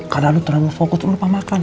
karena lu terlalu fokus lu lupa makan